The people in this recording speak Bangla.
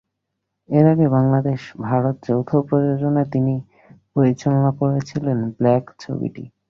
এর আগে বাংলাদেশ ভারত যৌথ প্রযোজনায় তিনি পরিচালনা করেছিলেন ব্ল্যাক ছবিটি।